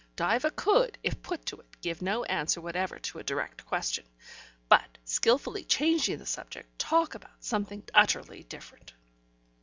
Diva could, if put to it, give no answer whatever to a direct question, but, skilfully changing the subject, talk about something utterly different.